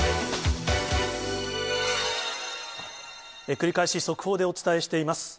繰り返し速報でお伝えしています。